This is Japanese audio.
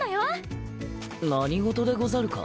何事でござるか？